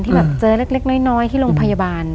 แบบเจอเล็กน้อยที่โรงพยาบาล